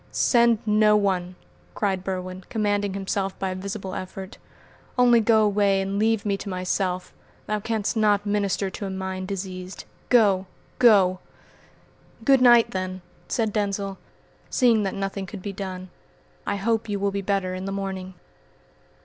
"Send no one," cried Berwin, commanding himself by a visible effort. "Only go away and leave me to myself. 'Thou can'st not minister to a mind diseased.' Go! go!" "Good night, then," said Denzil, seeing that nothing could be done. "I hope you will be better in the morning."